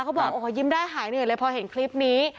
ก็บอกยิ้มได้หายเหนือเลยพอเห็นคลิปนี้